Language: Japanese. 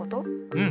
うん。